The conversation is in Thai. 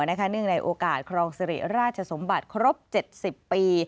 เนื่องในโอกาสครองสิริราชสมบัติครบ๗๐ปี